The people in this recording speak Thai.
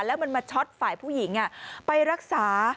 แล้วมันมาช็อตฝ่ายผู้หญิงไปรักษา